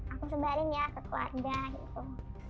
aku sebarinnya kekeluarga itu